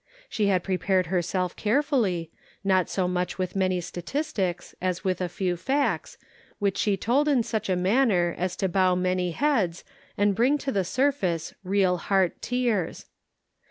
She had prepared herself carefully, not so much with many statistics, as with a few facts, which she told in such a man ner as to bow many heads and bring to the surface real heart tears.